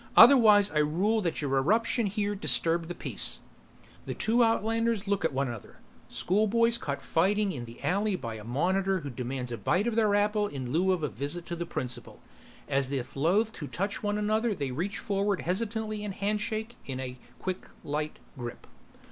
Otherwise I rule that your eruption here disturbed the peace." The two outlanders look at one another; schoolboys caught fighting in the alley by a monitor who demands a bite of their apple in lieu of a visit to the principal. As if loath to touch one another they reach forward hesitantly and handshake in a quick light grip.